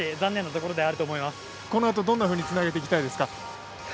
このあと、どんなふうにつなげたいですか。